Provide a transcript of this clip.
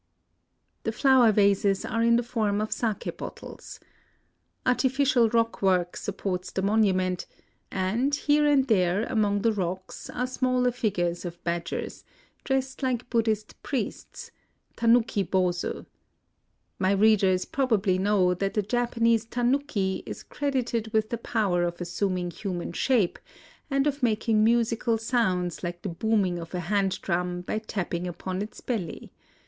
The flower vases are in the form of sake bottles. Artificial rock work supports the monument ; and here and there, ^ That is, a bottle containing one sho, — about a quart and a half. 172 IN OSAKA among the rocks, are smaller figures of badg ers, dressed like Buddhist priests (tanuki bozu). My readers probably know that the Japanese tanuki ^ is credited with the power of assuming human shape, and of making musical sounds like the booming of a hand drum by tapping upon its belly.